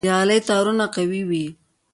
د غالۍ تارونه قوي وي.